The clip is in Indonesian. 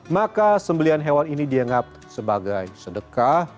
maka sembelian hewan ini dianggap sebagai sedekah